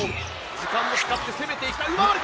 時間を使って攻めていきたい。